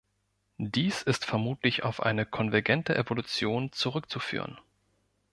Dies ist vermutlich auf eine konvergente Evolution zurückzuführen.